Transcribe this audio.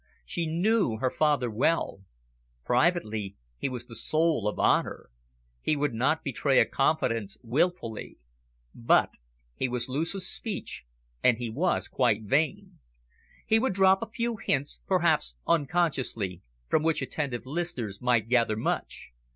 She knew her father well. Privately he was the soul of honour. He would not betray a confidence wilfully. But he was loose of speech, and he was quite vain. He would drop a few hints, perhaps unconsciously, from which attentive listeners might gather much.